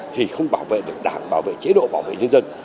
thì không bảo vệ được đảng bảo vệ chế độ bảo vệ nhân dân